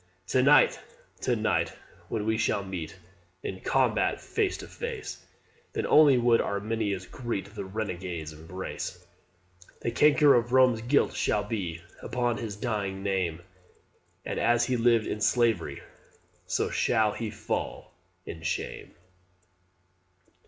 "To night, to night, when we shall meet In combat face to face, Then only would Arminius greet The renegade's embrace. The canker of Rome's guilt shall be Upon his dying name; And as he lived in slavery, So shall he fall in shame.